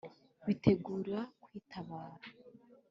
Bitegura kwitabara.